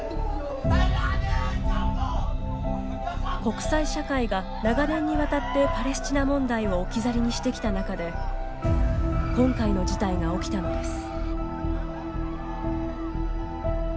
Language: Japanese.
国際社会が長年にわたってパレスチナ問題を置き去りにしてきた中で今回の事態が起きたのです。